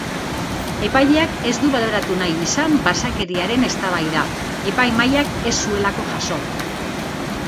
Epaileak ez du baloratu nahi izan basakeriaren eztabaida, epaimahaiak ez zuelako jaso.